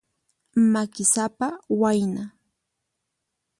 Makisapa wayna.